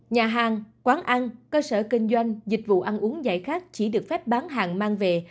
nhà hàng quán ăn cơ sở kinh doanh dịch vụ ăn uống giải khát chỉ được phép bán hàng mang về